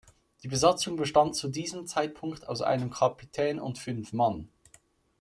Die Besatzung bestand zu diesem Zeitpunkt aus einem Kapitän und fünf Mann.